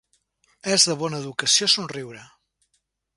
És de bona educació somriure.